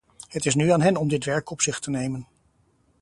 Het is nu aan hen om dit werk op zich te nemen.